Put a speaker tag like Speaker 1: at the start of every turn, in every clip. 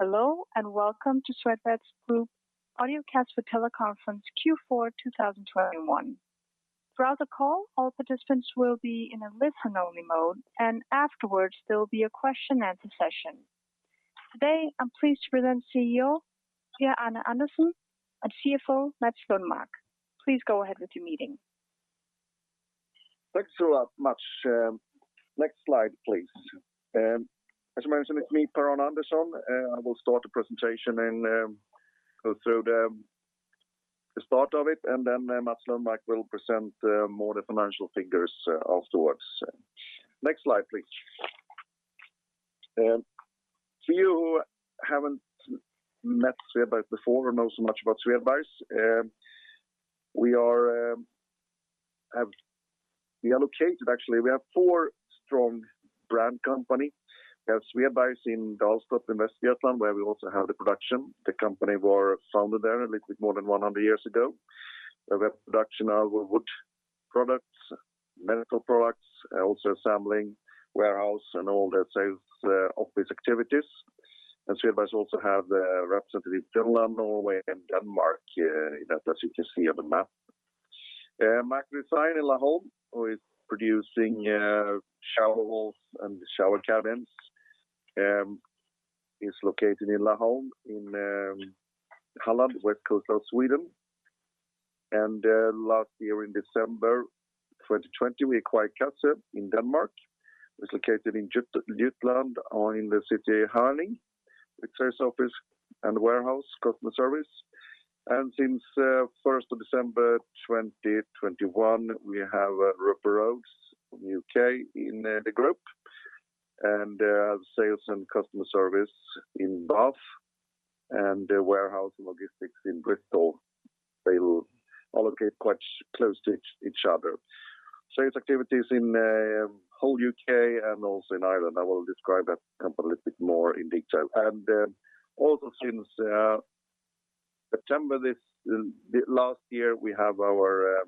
Speaker 1: Hello, and welcome to Svedbergs Group audiocast for teleconference Q4 2021. Throughout the call, all participants will be in a listen-only mode, and afterwards there will be a question answer session. Today, I'm pleased to present CEO Per-Arne Andersson and CFO Mats Lundmark. Please go ahead with your meeting.
Speaker 2: Thanks so much. Next slide, please. As mentioned, it's me, Per-Arne Andersson. I will start the presentation and go through the start of it, and then Mats Lundmark will present more the financial figures afterwards. Next slide, please. For you who haven't met Svedbergs before or know so much about Svedbergs, we are located, actually, we have four strong brand companies. We have Svedbergs in Dalstorp in Västra Götaland, where we also have the production. The company were founded there a little bit more than 100 years ago. We have production of wood products, medical products, also assembling, warehouse, and all the sales office activities. Svedbergs also have representatives in Finland, Norway, and Denmark, as you can see on the map. Macro Design in Laholm, who is producing shower walls and shower cabins, is located in Laholm in Halland, west coast of Sweden. Last year in December 2020, we acquired Cassøe in Denmark. It's located in Jutland or in the city Herning. It's sales office and warehouse, customer service. Since first of December 2021, we have Roper Rhodes from U.K. in the group. Sales and customer service in Bath and warehouse and logistics in Bristol. They're located quite close to each other. Sales activities in whole U.K. and also in Ireland. I will describe that company a little bit more in detail. Also since September last year, we have our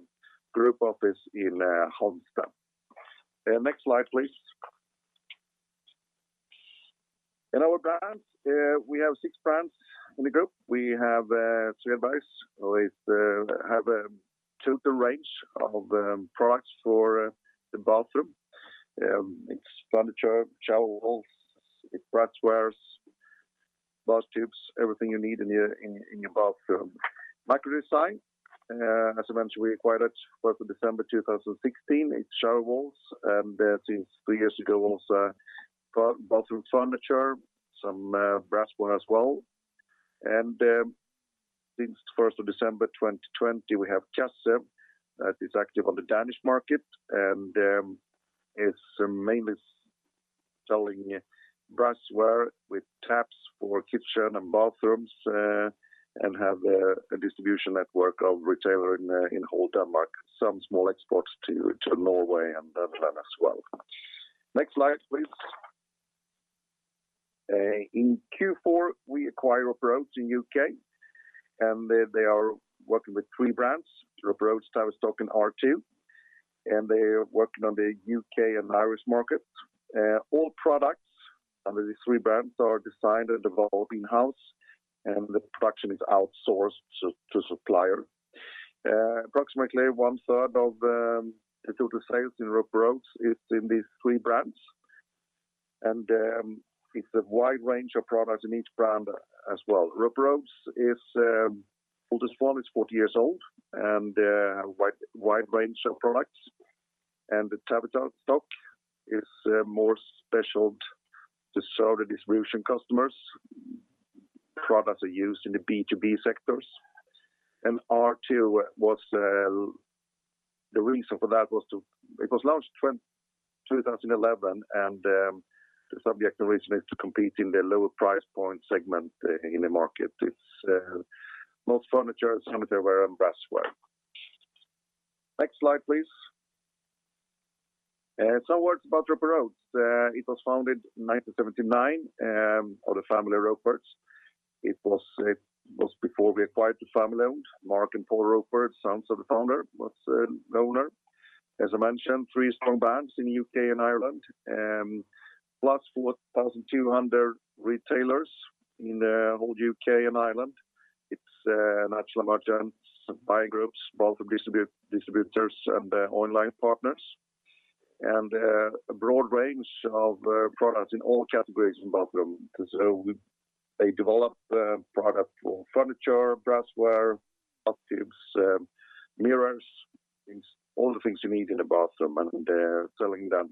Speaker 2: group office in Halmstad. Next slide, please. In our brands, we have six brands in the group. We have Svedbergs, which have a total range of products for the bathroom. It's furniture, shower walls, it's brassware, bathtubs, everything you need in your bathroom. Macro Design, as I mentioned, we acquired it first of December 2016. It's shower walls, and since three years ago, also bathroom furniture, some brassware as well. Since first of December 2020, we have Cassøe that is active on the Danish market, and is mainly selling brassware with taps for kitchen and bathrooms, and have a distribution network of retailers in whole Denmark. Some small exports to Norway and Denmark as well. Next slide, please. In Q4, we acquired Roper Rhodes in the U.K., and they are working with three brands, Roper Rhodes, Tavistock and R2, and they are working on the U.K. and Irish market. All products under these three brands are designed and developed in-house, and the production is outsourced to supplier. Approximately one-third of the total sales in Roper Rhodes is in these three brands. It's a wide range of products in each brand as well. Roper Rhodes is the oldest one, it's 40 years old, and wide range of products. The Tavistock is more specialized to serve the distribution customers. Products are used in the B2B sectors. R2 was the reason for that was to... It was launched 2011, the subject originally to compete in the lower price point segment in the market. It's most furniture, sanitary ware and brassware. Next slide, please. Some words about Roper Rhodes. It was founded 1979 by the family of Roper. It was before we acquired it, family-owned. Mark Roper and Paul Roper, sons of the founder, was the owner. As I mentioned, three strong brands in U.K. and Ireland. Plus 4,200 retailers in the whole U.K. and Ireland. It's national merchants, buying groups, bathroom distributors, and online partners. A broad range of products in all categories in bathroom. So we. They develop product for furniture, brassware, bath tubs, mirrors, things, all the things you need in a bathroom, and they're selling that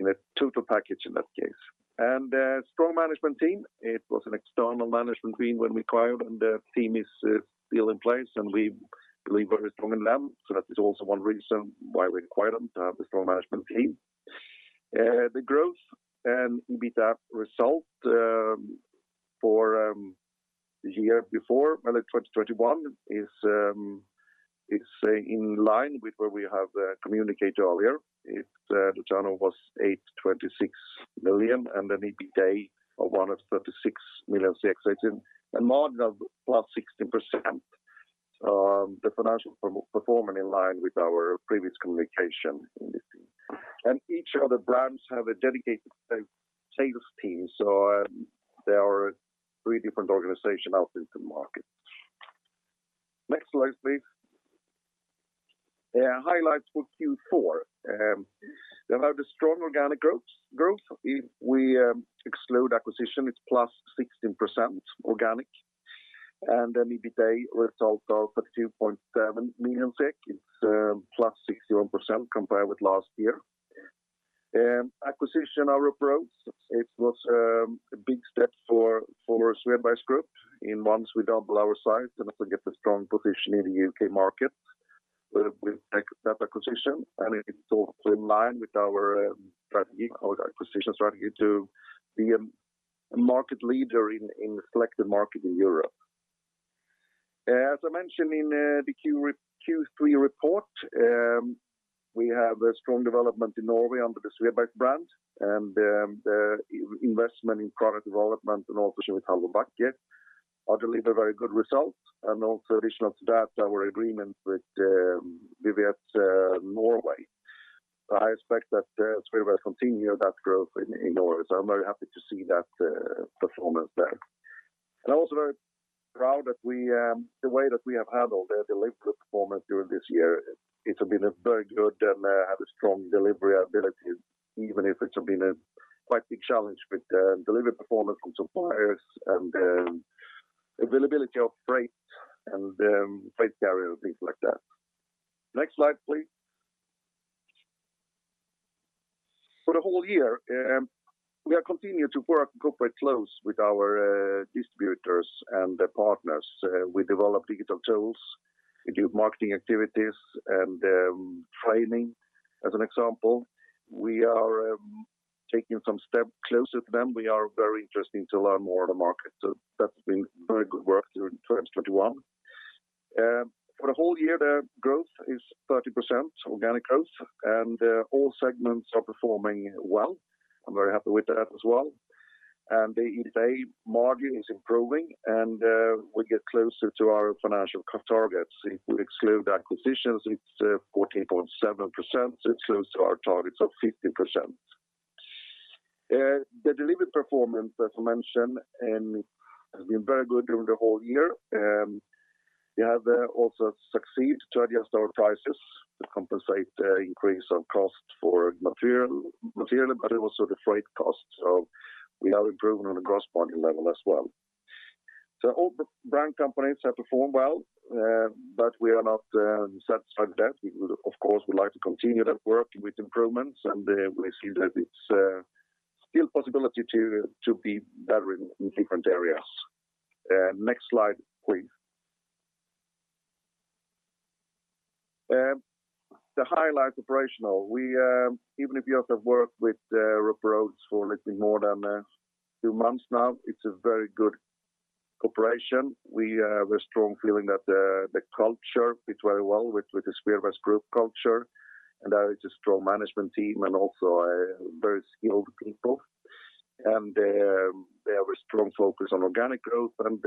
Speaker 2: in a total package in that case, and a strong management team. It was an external management team when we acquired, and the team is still in place, and we believe very strong in them. That is also one reason why we acquired them, to have the strong management team. The growth and EBITDA result for the year before, in 2021 is in line with where we have communicated earlier. The turnover was 826 million, and the EBITDA of 136 million, and margin of 60%+. The financial performance is in line with our previous communication in the interim. Each of the brands has a dedicated sales team, so there are three different organizations out in the market. Next slide, please. Yeah, highlights for Q4. We have a strong organic growth. If we exclude acquisition, it's 16%+ organic. Then EBITA result of 32.7 million. It's 61%+ compared with last year. Acquisition of Roper Rhodes, it was a big step for Svedbergs Group. In months we double our size and also get a strong position in the U.K. market with that acquisition. It's also in line with our strategy, our acquisition strategy to be a market leader in selected markets in Europe. As I mentioned in the Q3 report, we have a strong development in Norway under the Svedbergs brand. The investment in product development and also with Halvor Bakke are deliver very good result. Additional to that, our agreement with Vivat, Norway. I expect that Svedbergs continue that growth in Norway, so I'm very happy to see that performance there. Very proud of the way that we have handled the delivery performance during this year. It has been very good and had a strong delivery ability, even if it's been a quite big challenge with delivery performance from suppliers and availability of freight and freight carrier, things like that. Next slide, please. For the whole year, we continue to work very close with our distributors and their partners. We develop digital tools. We do marketing activities and training, as an example. We are taking some step closer to them. We are very interested to learn more on the market. That's been very good work during 2021. For the whole year, the growth is 30% organic growth, and all segments are performing well. I'm very happy with that as well. The EBITA margin is improving and we get closer to our financial targets. If we exclude acquisitions, it's 14.7%. It's close to our targets of 15%. The delivery performance, as I mentioned, has been very good during the whole year. We have also succeeded to adjust our prices to compensate the increase of cost for material, but also the freight costs. We have improved on the gross margin level as well. All the brand companies have performed well, but we are not satisfied with that. We would, of course, like to continue that work with improvements, and we see that it's still possibility to be better in different areas. Next slide, please. The operational highlights. Even though we've only worked with Roper Rhodes for a little more than two months now, it's a very good cooperation. We have a strong feeling that the culture fits very well with the Svedbergs Group culture, and that is a strong management team and also very skilled people. They have a strong focus on organic growth and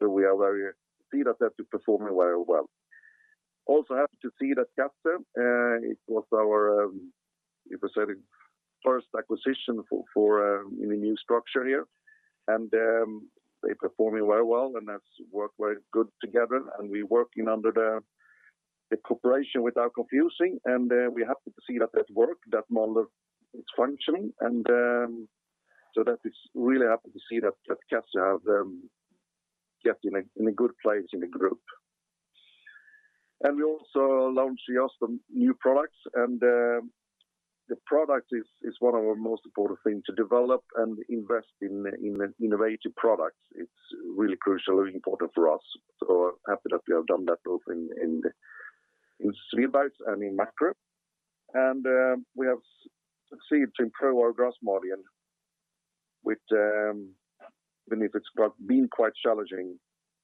Speaker 2: we are very pleased that they're performing very well. Also happy to see that Cassøe. It was our, if I say, the first acquisition in the new structure here. They're performing very well, and that's worked very well together. We're working under the cooperation without confusion. We're happy to see that that works, that model is functioning. We're really happy to see that Cassøe has got in a good place in the group. We're also launching awesome new products. The product is one of our most important things to develop and invest in innovative products. It's really crucially important for us. We're happy that we have done that both in Svedbergs and in Macro. We have succeeded to improve our gross margin with even if it's been quite challenging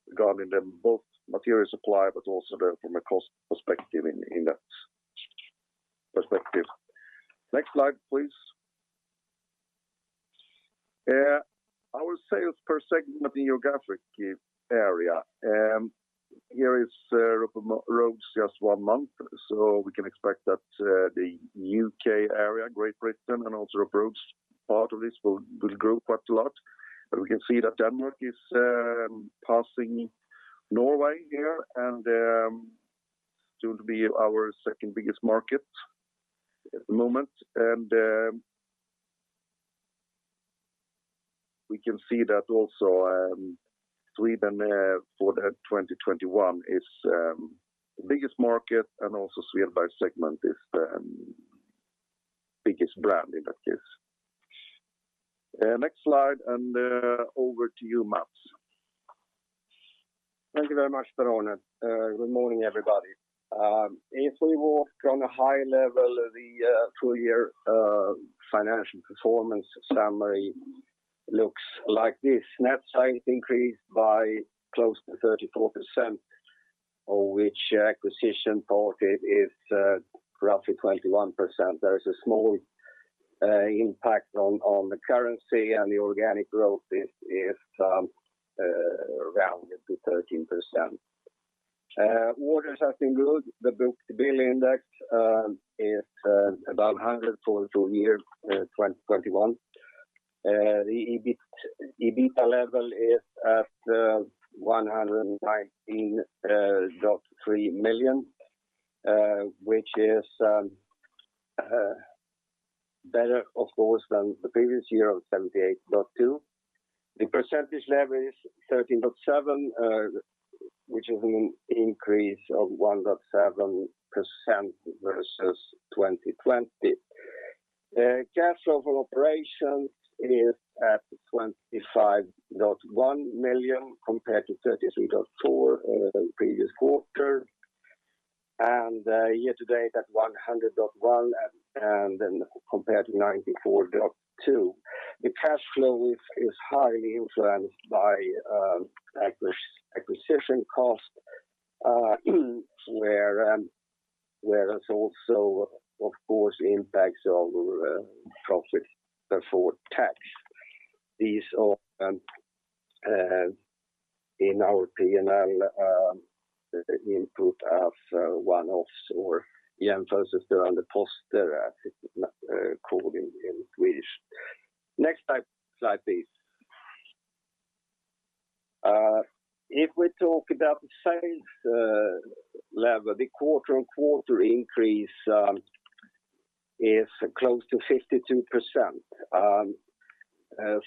Speaker 2: regarding both the material supply but also from a cost perspective in that perspective. Next slide, please. Our sales per segment in geographic area. Here is Roper Rhodes just one month, so we can expect that the U.K. area, Great Britain, and also Roper Rhodes part of this will grow quite a lot. But we can see that Denmark is passing Norway here and soon to be our second biggest market at the moment. We can see that also Sweden for the 2021 is the biggest market and also Svedbergs segment is the biggest brand in that case. Next slide, over to you, Mats.
Speaker 3: Thank you very much, Per-Arne Andersson. Good morning, everybody. If we walk on a high level, the full year financial performance summary looks like this. Net sales increased by close to 34%, of which acquisition part is roughly 21%. There is a small impact on the currency and the organic growth is rounded to 13%. Orders have been good. The book-to-bill index is about 100 for the full year, 2021. The EBITDA level is at 119.3 million, which is better of course than the previous year of 78.2 million. The percentage level is 13.7%, which is an increase of 1.7% versus 2020. Cash flow for operations is at 25.1 million compared to 33.4 million in the previous quarter. Year to date at 100.1 million and then compared to 94.2 million. The cash flow is highly influenced by acquisition costs, where there's also, of course, impacts of profit before tax. These are in our P&L, impact of one-offs or EBITA as it is not called in Swedish. Next slide, please. If we talk about the sales level, the quarter-on-quarter increase is close to 52%.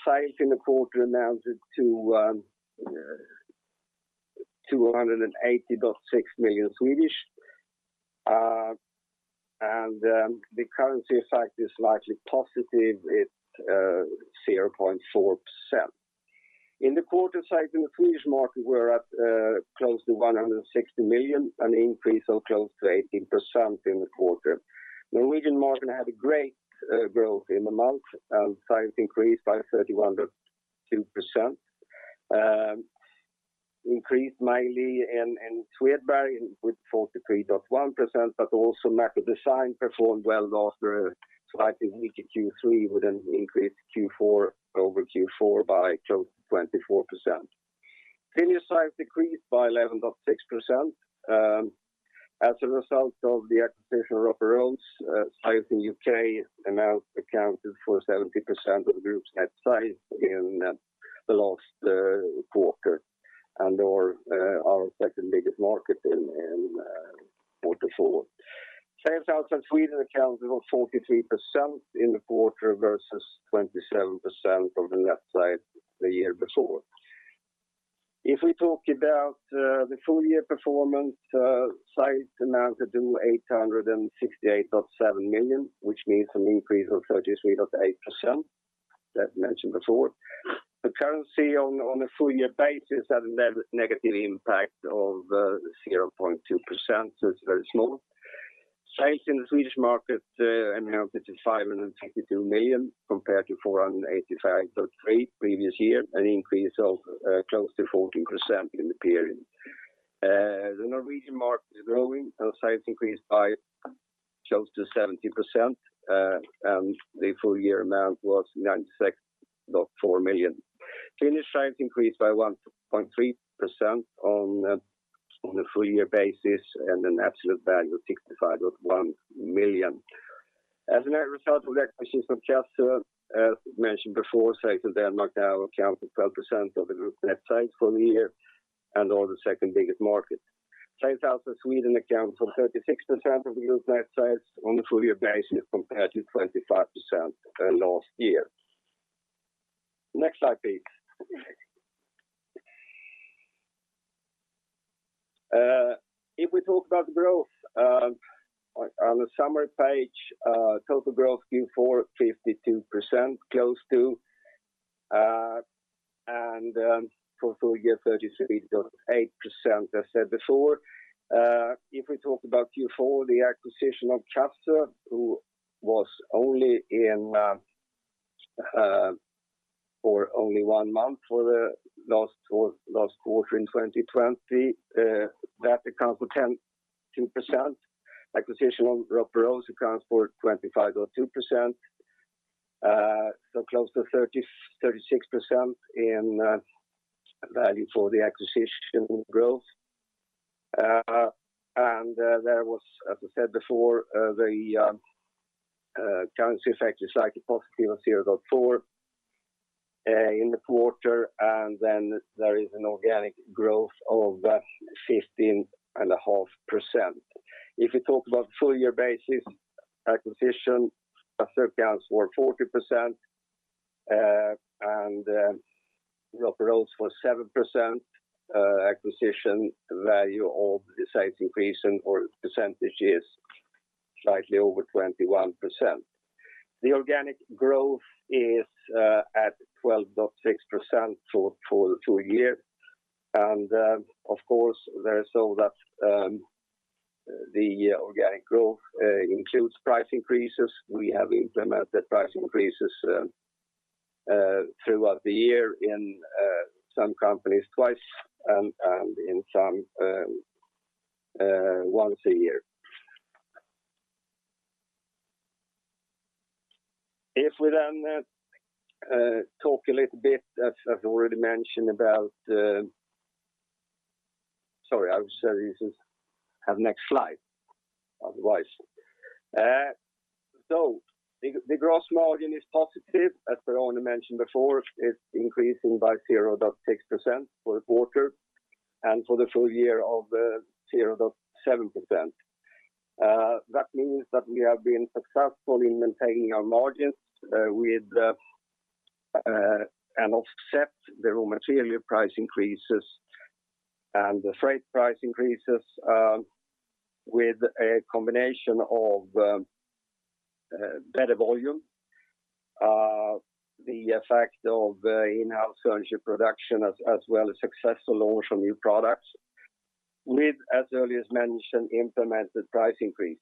Speaker 3: Sales in the quarter amounted to SEK 280.6 million. The currency effect is largely positive at 0.4%. In the quarter, sales in the Swedish market were at close to 160 million, an increase of close to 18% in the quarter. Norwegian market had a great growth in the month, sales increased by 31.2%. Increased mainly in Svedbergs with 43.1%, but also Macro Design performed well after a slightly weaker Q3 with an increase Q4 over Q4 by close to 24%. Finnish sales decreased by 11.6%, as a result of the acquisition of Roper Rhodes, sales in U.K. amount accounted for 70% of the group's net sales in the last quarter and are our second biggest market in quarter four. Sales outside Sweden accounted for 43% in the quarter versus 27% of the net sales the year before. If we talk about the full year performance, sales amounted to 868.7 million, which means an increase of 33.8%, as mentioned before. The currency on a full year basis had a negative impact of 0.2%, so it's very small. Sales in the Swedish market amounted to 562 million compared to 485.3 million previous year, an increase of close to 14% in the period. The Norwegian market is growing and sales increased by close to 70%, and the full year amount was 96.4 million. Finnish sales increased by 1.3% on a full year basis and an absolute value of 65.1 million. As a net result of the acquisition of Cassøe, as mentioned before, sales in Denmark now account for 12% of the group net sales full year and are the second biggest market. Sales outside Sweden account for 36% of the group net sales on a full year basis compared to 25% last year. Next slide please. If we talk about growth, on the summary page, total growth Q4 52% close to, and for full year 33.8% as said before. If we talk about Q4, the acquisition of Cassøe, who was only in for only one month for the last quarter in 2020, that accounts for 10.2%. Acquisition of Roper Rhodes accounts for 25.2%, so close to 36% in value for the acquisition growth. There was, as I said before, the currency effect is slightly positive of 0.4% in the quarter. There is an organic growth of 15.5%. If we talk about full-year basis acquisition, Cassøe accounts for 40%, and Roper Rhodes for 7%, acquisition value of the sales increase or percentage is slightly over 21%. The organic growth is at 12.6% for the full year. Of course, there is also that the organic growth includes price increases. We have implemented price increases throughout the year in some companies twice, and in some once a year. If we talk a little bit as already mentioned about... The gross margin is positive, as Per-Arne mentioned before, is increasing by 0.6% for the quarter, and for the full year 0.7%. That means that we have been successful in maintaining our margins and offset the raw material price increases and the freight price increases with a combination of better volume, the effect of in-house furniture production as well as successful launch of new products with, as earlier mentioned, implemented price increases.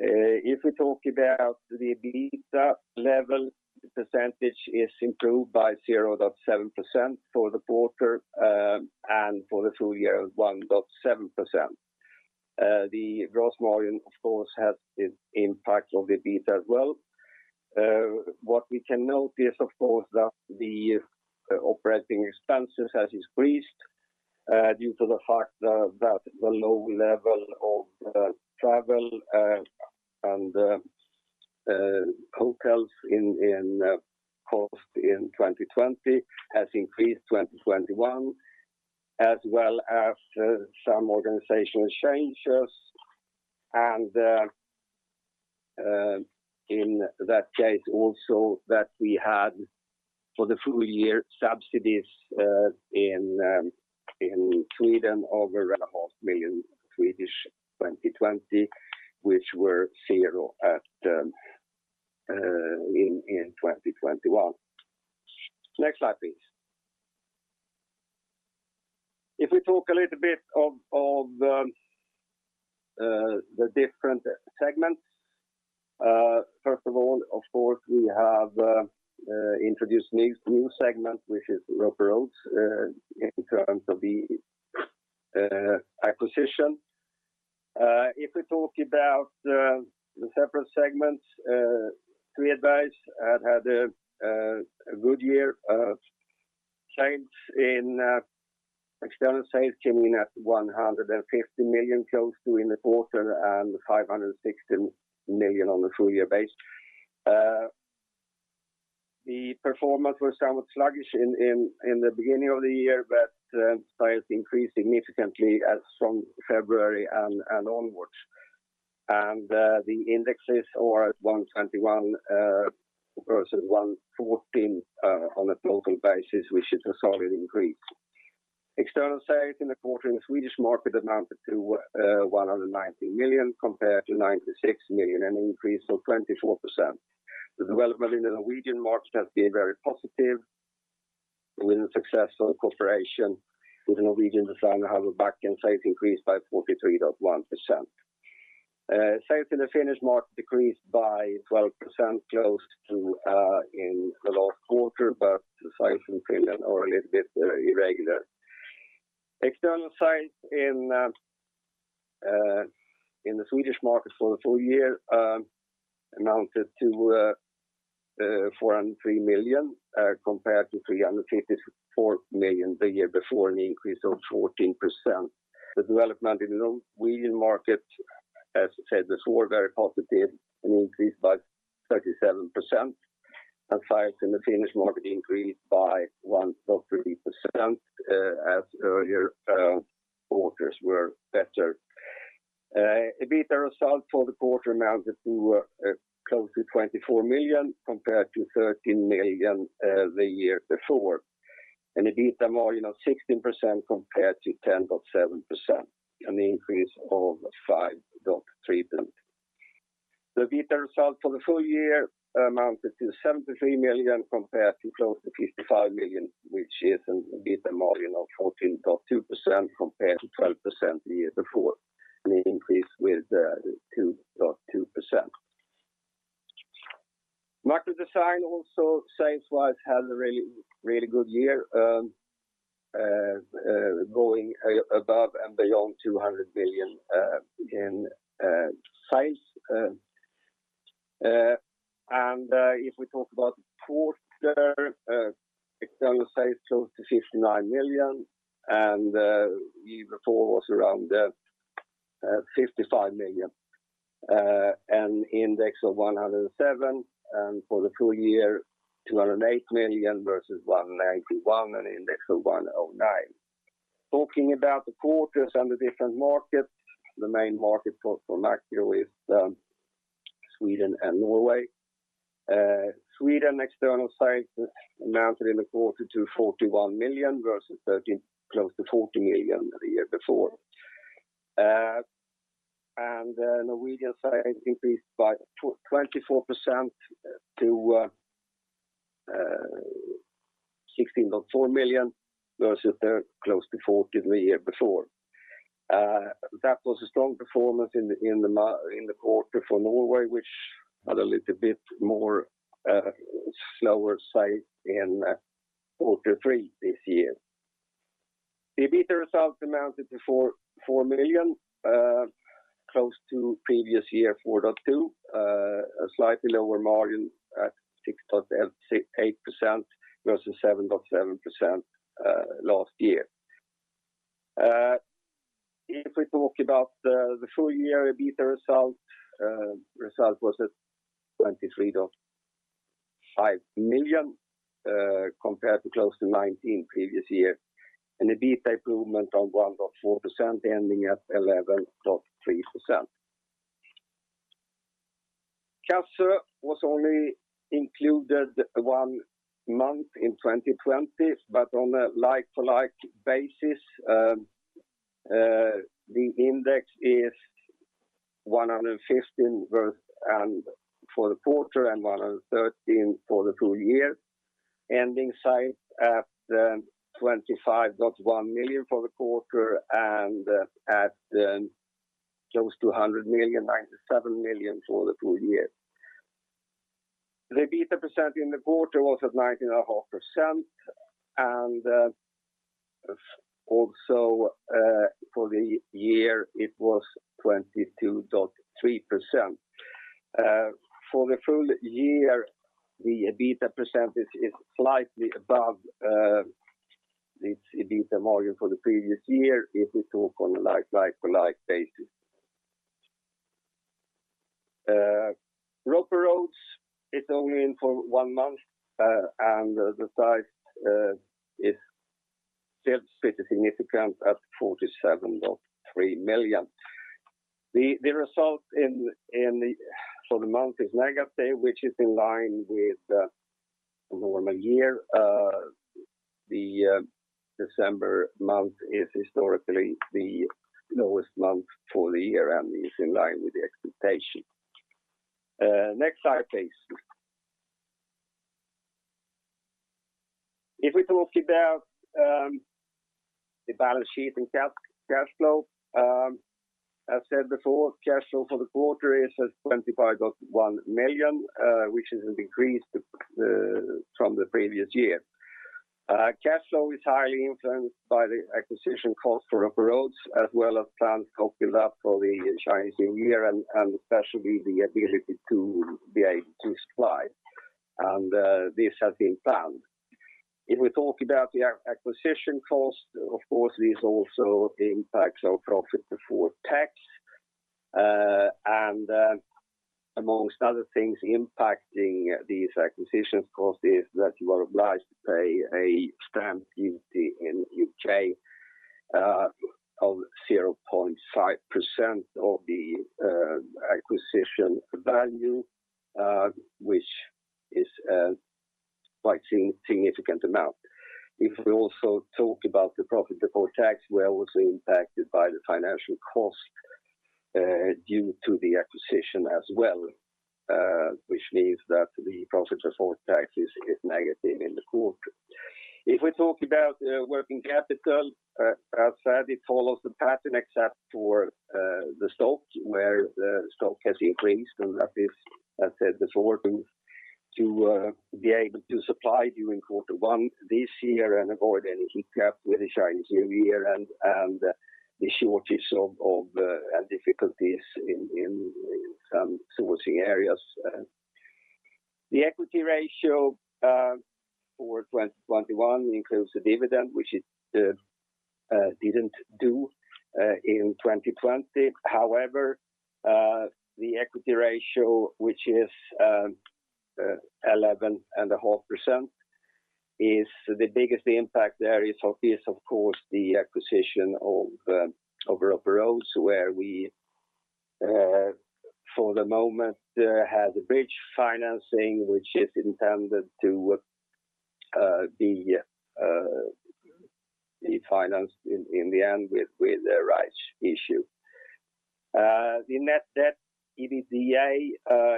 Speaker 3: If we talk about the EBITDA level, the percentage is improved by 0.7% for the quarter, and for the full year 1.7%. The gross margin of course has impact on the EBITDA as well. What we can notice of course that the operating expenses has increased due to the fact that the low level of travel and hotel costs in 2020 has increased in 2021 as well as some organizational changes. In that case also that we had for the full year subsidies in Sweden over half a million Swedish kroner in 2020, which were zero in 2021. Next slide, please. If we talk a little bit of the different segments. First of all, of course, we have introduced new segment which is Roper Rhodes in terms of the acquisition. If we talk about the separate segments, the [Swedish] had a good year. The change in external sales came in at close to SEK 150 million in the quarter and 560 million on a full-year basis. The performance was somewhat sluggish in the beginning of the year, but sales increased significantly as from February and onward. The indexes are at 121 versus 114 on a total basis, which is a solid increase. External sales in the quarter in the Swedish market amounted to 190 million compared to 96 million, an increase of 24%. The development in the Norwegian market has been very positive with a successful cooperation with the Norwegian designer Halvor Bakke. Sales increased by 43.1%. Sales in the Finnish market decreased by 12% close to in the last quarter, but the sales in Finland are a little bit irregular. External sales in the Swedish market for the full year amounted to 403 million compared to 354 million the year before, an increase of 14%. The development in the Norwegian market, as I said before, very positive, an increase by 37%. Sales in the Finnish market increased by 1.3%, as earlier quarters were better. EBITDA result for the quarter amounted to close to 24 million compared to 13 million the year before. EBITDA margin of 16% compared to 10.7%, an increase of 5.3%. The EBITDA result for the full year amounted to 73 million compared to close to 55 million, which is an EBITDA margin of 14.2% compared to 12% the year before, an increase with 2.2%. Macro Design also sales wise had a really good year, going above and beyond 200 million in sales. If we talk about quarter external sales close to 59 million, and the year before was around 55 million, an index of 107, and for the full year, 208 million versus 191, an index of 109. Talking about the quarters and the different markets, the main market of course for Macro is Sweden and Norway. Sweden external sales amounted in the quarter to 41 million versus 30 million close to 40 million the year before. The Norwegian sales increased by 24% to 16.4 million versus close to 14 million the year before. That was a strong performance in the quarter for Norway, which had a little bit more slower sales in quarter three this year. The EBITDA result amounted to 4 million, close to previous year 4.2 million. A slightly lower margin at 6.8% versus 7.7% last year. If we talk about the full year EBITDA result was at 23.5 million, compared to close to 19 million previous year, and EBITDA improvement of 1.4% ending at 11.3%. Cassøe was only included one month in 2020, but on a like-for-like basis, the index is 115 for the quarter and 113 for the full year, ending at 25.1 million for the quarter and at close to 100 million, 97 million for the full year. The EBITDA % in the quarter was at 19.5%, and also for the year, it was 22.3%. For the full year, the EBITDA percentage is slightly above the EBITDA margin for the previous year if we talk on a like-for-like basis. Roper Rhodes is only in for one month, and the size is still pretty significant at 47.3 million. The result in the... For the month is negative, which is in line with a normal year. The December month is historically the lowest month for the year and is in line with the expectation. Next slide please. If we talk about the balance sheet and cash flow, I've said before, cash flow for the quarter is at 25.1 million, which is an increase from the previous year. Cash flow is highly influenced by the acquisition cost for Roper Rhodes as well as planned stock build-up for the Chinese New Year and especially the ability to be able to supply. This has been planned. If we talk about the acquisition cost, of course, this also impacts our profit before tax. Among other things impacting these acquisition costs is that you are obliged to pay a stamp duty in the U.K. of 0.5% of the acquisition value, which is quite a significant amount. If we also talk about the profit before tax, we are also impacted by the financial cost due to the acquisition as well, which means that the profit before tax is negative in the quarter. If we talk about working capital, as said, it follows the pattern except for the stock, where the stock has increased. That is, I said before, to be able to supply during quarter one this year and avoid any hiccup with the Chinese New Year and the shortage and difficulties in some sourcing areas. The equity ratio for 2021 includes the dividend, which it didn't do in 2020. However, the equity ratio, which is 11.5%, is the biggest impact. There is obvious, of course, the acquisition of Roper Rhodes, where we for the moment have a bridge financing, which is intended to be financed in the end with a rights issue. The net debt/EBITDA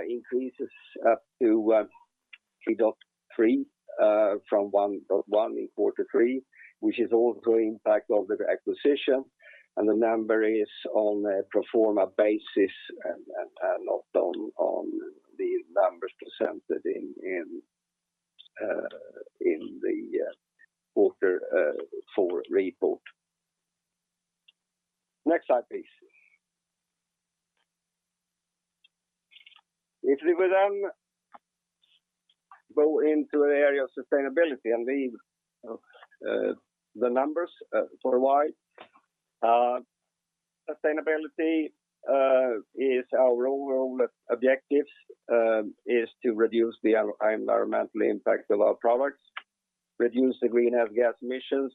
Speaker 3: increases up to 3.3 from 1.1 in quarter three, which is also impact of the acquisition, and the number is on a pro forma basis and not on the numbers presented in the quarter four report. Next slide, please. If we will then go into the area of sustainability and leave the numbers for a while. Sustainability is our overall objective to reduce the environmental impact of our products, reduce the greenhouse gas emissions,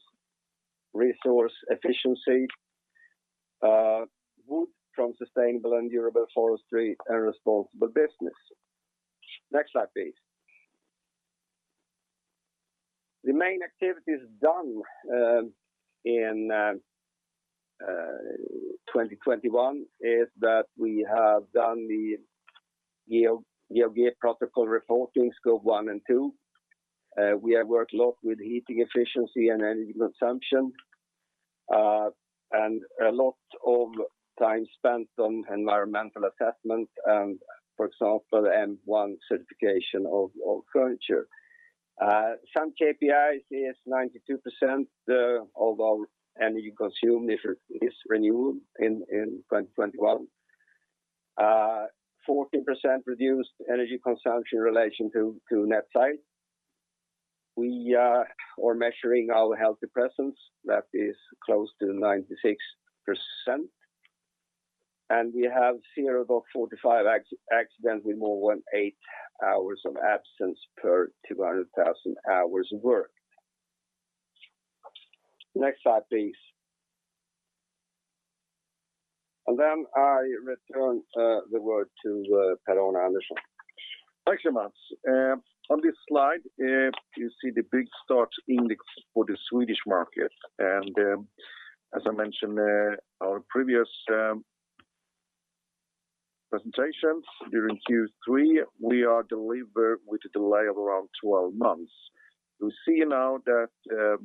Speaker 3: resource efficiency, wood from sustainable and durable forestry, and responsible business. Next slide, please. The main activities done in 2021 is that we have done the GHG Protocol reporting Scope 1 and 2. We have worked a lot with heating efficiency and energy consumption. A lot of time spent on environmental assessment and, for example, M1 certification of furniture. Some KPIs is 92% of our energy consumed is renewed in 2021. 14% reduced energy consumption in relation to net sales. We are measuring our health presence. That is close to 96%. We have zero out of 45 accidents with more than eight hours of absence per 200,000 hours of work. Next slide, please. I return the word to Per-Arne Andersson.
Speaker 2: Thanks, Mats. On this slide, you see the big stock index for the Swedish market. As I mentioned, our previous presentations during Q3, we are delivering with a delay of around 12 months. We see now that the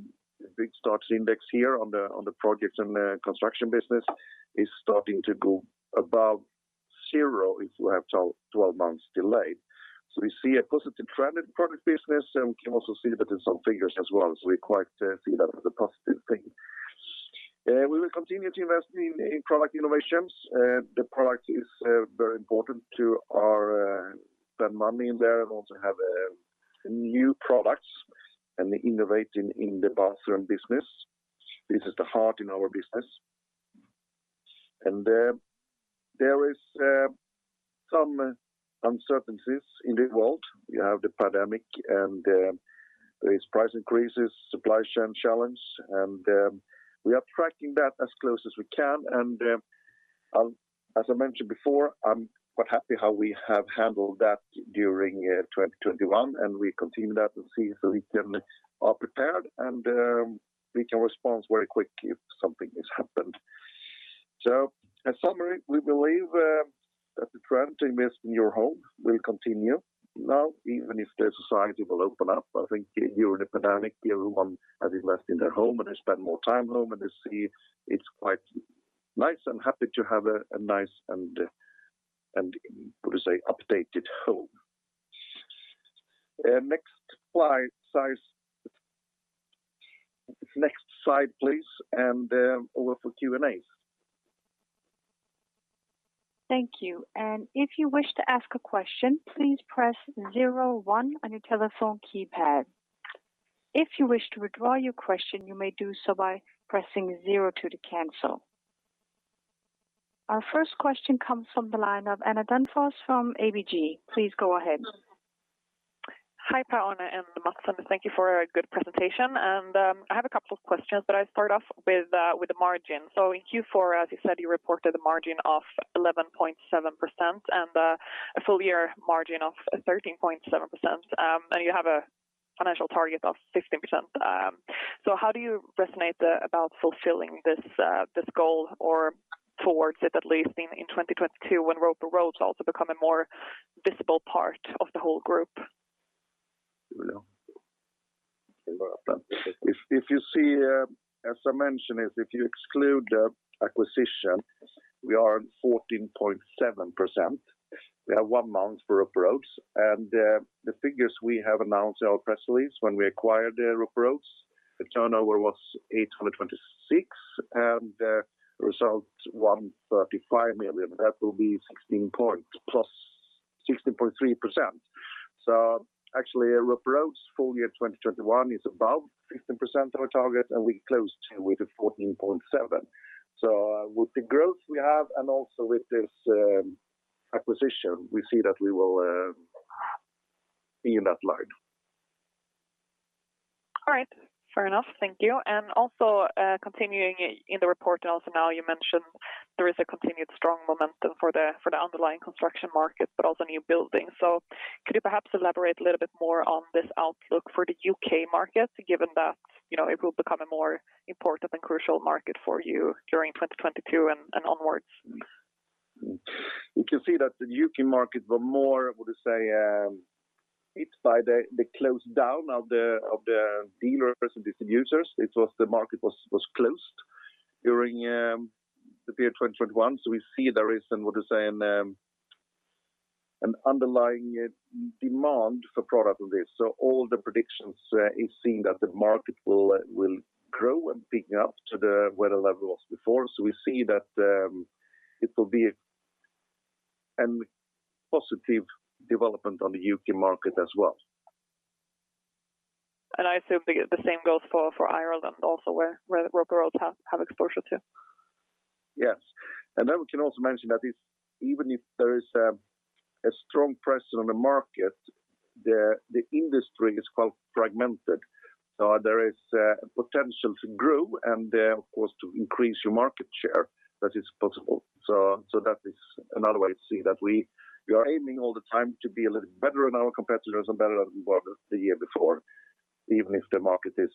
Speaker 2: big stock index here on the projects and construction business is starting to go above zero if you have 12 months delayed. We see a positive trend in product business, and we can also see that in some figures as well. We quite see that as a positive thing. We will continue to invest in product innovations. The product is very important for us to spend money there and also have new products and innovating in the bathroom business. This is the heart of our business. There is some uncertainties in the world. You have the pandemic and there is price increases, supply chain challenge. We are tracking that as close as we can. As I mentioned before, I'm quite happy how we have handled that during 2021, and we continue that and see if we can are prepared, and we can respond very quick if something has happened. In summary, we believe that the trend to invest in your home will continue. Now even if the society will open up, I think during the pandemic everyone has invested in their home, and they spend more time home, and they see it's quite nice and happy to have a nice and how to say, updated home. Next slide. Next slide, please. Over for Q&A.
Speaker 1: Our first question comes from the line of [Ann-Sofie Davidsson] from ABG. Please go ahead.
Speaker 4: Hi, Per-Arne and Mats, and thank you for a good presentation. I have a couple of questions, but I'll start off with the margin. In Q4, as you said, you reported a margin of 11.7% and a full year margin of 13.7%. You have a financial target of 15%. How do you see, about fulfilling this goal or towards it at least in 2022 when Roper Rhodes also become a more visible part of the whole group?
Speaker 2: As I mentioned, if you exclude the acquisition, we are at 14.7%. We have one month for Roper Rhodes. The figures we have announced in our press release when we acquired Roper Rhodes, the turnover was 826 million, and the result 135 million. That will be 16.3%. Actually, Roper Rhodes full year 2021 is above 15% of our target, and we closed with a 14.7%. With the growth we have and also with this acquisition, we see that we will be in that line.
Speaker 4: All right. Fair enough. Thank you. also, continuing in the report and also now you mentioned there is a continued strong momentum for the underlying construction market but also new building. could you perhaps elaborate a little bit more on this outlook for the U.K. market, given that, you know, it will become a more important and crucial market for you during 2022 and onwards?
Speaker 2: You can see that the U.K. market were more, how to say, hit by the close down of the dealers and distributors. It was the market was closed during the year 2021. We see there is how to say, an underlying demand for product of this. All the predictions is seeing that the market will grow and picking up to the where the level was before. We see that it will be a positive development on the U.K. market as well.
Speaker 4: I assume the same goes for Ireland also where Roper Rhodes have exposure to?
Speaker 2: Yes. We can also mention that even if there is a strong pressure on the market, the industry is quite fragmented. There is a potential to grow and, of course, to increase your market share. That is possible. That is another way to see that we are aiming all the time to be a little better than our competitors and better than we were the year before, even if the market is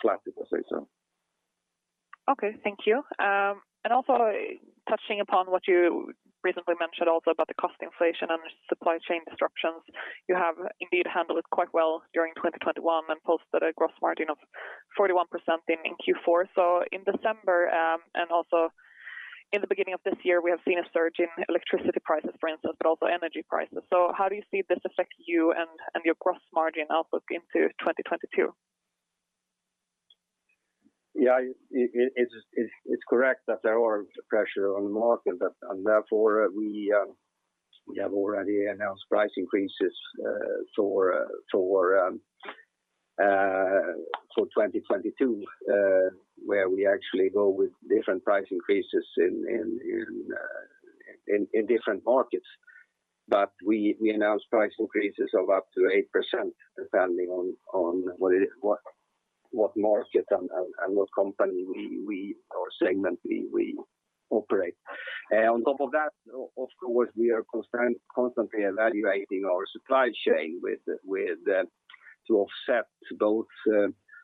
Speaker 2: flat, if I say so.
Speaker 4: Okay, thank you. And also touching upon what you recently mentioned also about the cost inflation and supply chain disruptions. You have indeed handled it quite well during 2021 and posted a gross margin of 41% in Q4. In December, and also in the beginning of this year, we have seen a surge in electricity prices, for instance, but also energy prices. How do you see this affect you and your gross margin outlook into 2022?
Speaker 3: Yeah. It's correct that there are pressures on the market, and therefore we have already announced price increases for 2022, where we actually go with different price increases in different markets. We announced price increases of up to 8% depending on what market and what company or segment we operate. On top of that, of course, we are constantly evaluating our supply chain to offset both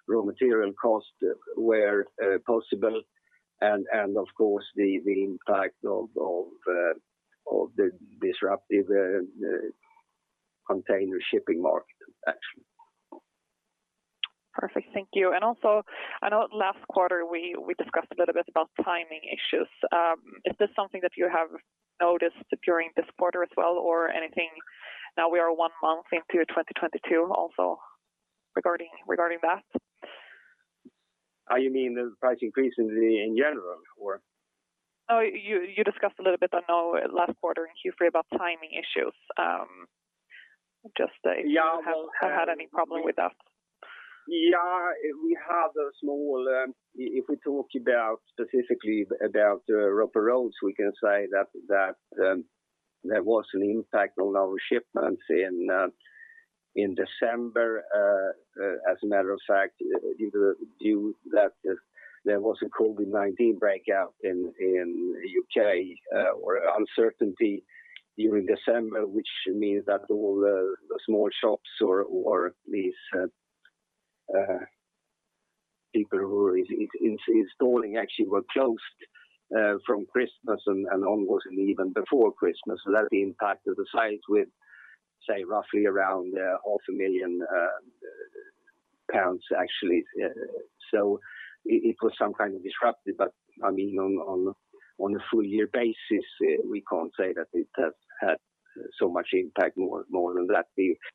Speaker 3: raw material costs where possible and of course the impact of the disruptive container shipping market actually.
Speaker 4: Perfect. Thank you. Also, I know last quarter we discussed a little bit about timing issues. Is this something that you have noticed during this quarter as well or anything now we are one month into 2022 also regarding that?
Speaker 3: You mean the price increase in general or?
Speaker 4: No. You discussed a little bit, I know, last quarter in Q3 about timing issues.
Speaker 3: Yeah. Well,
Speaker 4: If you have had any problem with that.
Speaker 3: We have a small. If we talk about specifically about Roper Rhodes, we can say that there was an impact on our shipments in December, as a matter of fact, due to that there was a COVID-19 outbreak in U.K. or uncertainty during December, which means that all the small shops or these people who are in installing actually were closed from Christmas and onward and even before Christmas. That impacted sales with, say, roughly around half a million pounds actually. So it was some kind of disruption, but I mean, on a full year basis, we can't say that it has had so much impact more than that.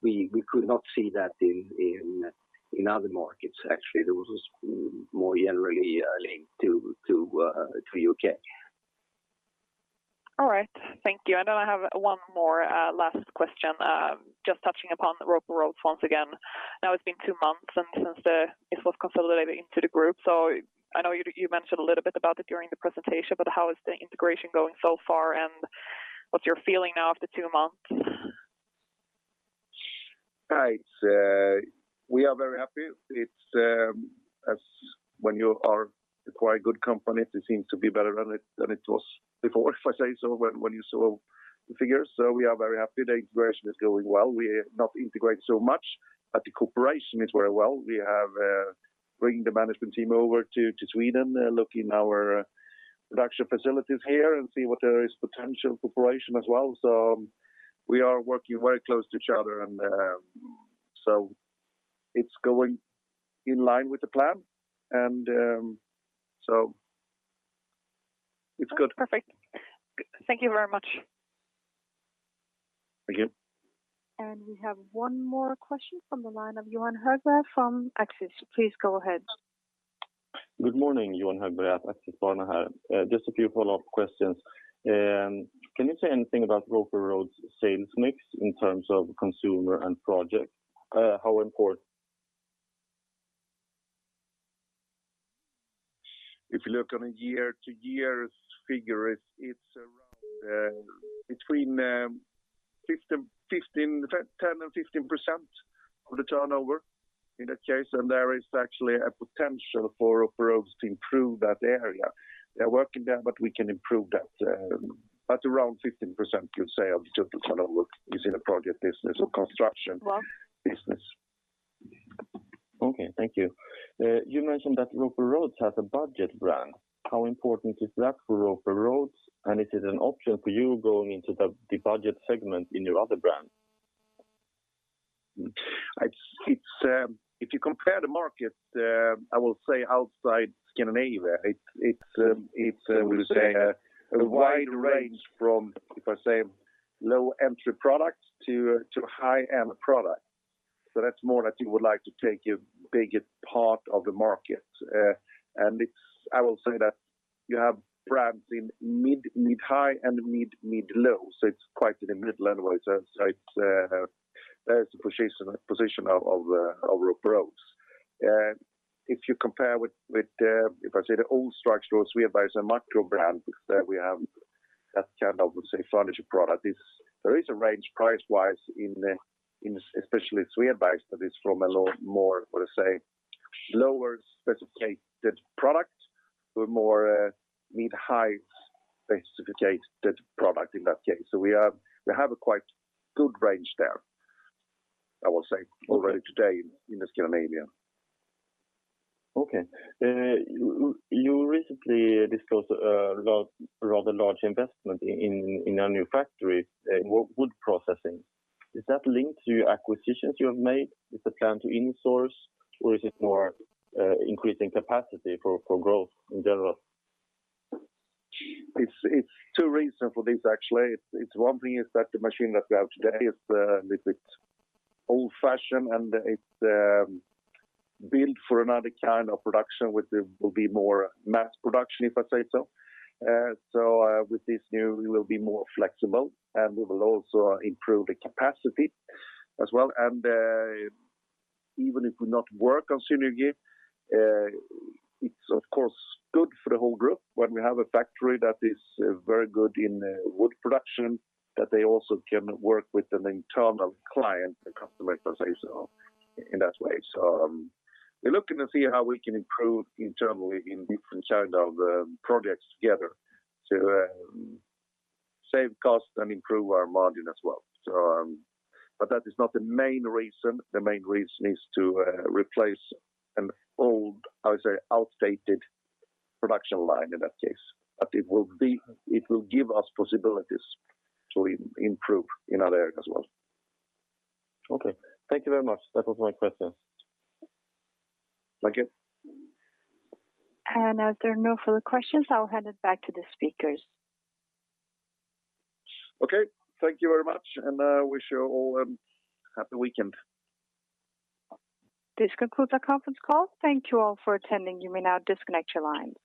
Speaker 3: We could not see that in other markets actually. There was this more generally linked to UK.
Speaker 4: All right. Thank you. Then I have one more last question, just touching upon Roper Rhodes once again. Now, it's been two months since it was consolidated into the group. I know you mentioned a little bit about it during the presentation, but how is the integration going so far, and what's your feeling now after two months?
Speaker 2: We are very happy. As when you are a quite good company, it seems to be better than it was before, if I say so, when you saw the figures. We are very happy the integration is going well. We're not integrated so much, but the cooperation is very well. We have bring the management team over to Sweden, look in our production facilities here and see what there is potential cooperation as well. We are working very close to each other and it's going in line with the plan and it's good.
Speaker 4: Perfect. Thank you very much.
Speaker 2: Thank you.
Speaker 1: We have one more question from the line of [Johan Högberg] from Axis. Please go ahead.
Speaker 5: Good morning, [Johan Högberg], Axis, Barn here. Just a few follow-up questions. Can you say anything about Roper Rhodes sales mix in terms of consumer and project? How important?
Speaker 3: If you look on a year-over-year figure, it's around between 10% or 15% of the turnover in that case. There is actually a potential for Roper Rhodes to improve that area. They're working there, but we can improve that. Around 15% you say of the total turnover is in a project business or construction business.
Speaker 5: Okay. Thank you. You mentioned that Roper Rhodes has a budget brand. How important is that for Roper Rhodes? Is it an option for you going into the budget segment in your other brand?
Speaker 2: If you compare the market outside Scandinavia, I will say it's a wide range from low-end products to high-end products. That's more that you would like to take a bigger part of the market. I will say that you have brands in mid-high and mid-low. It's quite in the middle anyway. That's the position of Roper Rhodes. If you compare with the old structure, Svedbergs and Macro brands that we have that kind of furniture product, there is a range price-wise, especially in Svedbergs, but it's from a lot more, how to say, lower specified product or more mid-high specified product in that case.
Speaker 3: We have a quite good range there.
Speaker 2: I will say already today in Scandinavia.
Speaker 5: Okay. You recently discussed a rather large investment in a new factory, wood processing. Is that linked to acquisitions you have made? Is the plan to insource or is it more, increasing capacity for growth in general?
Speaker 2: It's two reasons for this, actually. It's one thing is that the machine that we have today is old-fashioned, and it's built for another kind of production, which it will be more mass production if I say so. With this new, we will be more flexible, and we will also improve the capacity as well. Even if we not work on synergy, it's of course good for the whole group when we have a factory that is very good in wood production, that they also can work with an internal client or customer, if I say so, in that way. We're looking to see how we can improve internally in different kind of projects together to save costs and improve our margin as well. That is not the main reason. The main reason is to replace an old, how you say, outdated production line in that case. It will give us possibilities to improve in other areas as well.
Speaker 5: Okay. Thank you very much. That was my question.
Speaker 2: Thank you.
Speaker 1: As there are no further questions, I'll hand it back to the speakers.
Speaker 2: Okay. Thank you very much, and wish you all a happy weekend.
Speaker 1: This concludes our conference call. Thank you all for attending. You may now disconnect your lines.